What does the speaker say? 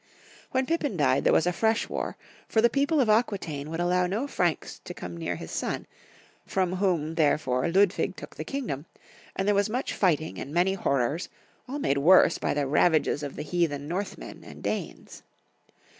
When Pippin died there was a fresh war, for the people of Aquitaine would allow no Franks to come near his son, from whom therefore Ludwig took the kingdom, and there was much fighting and many horrors, all made worse by the ravages of the heathen Nortlnnen and Danes.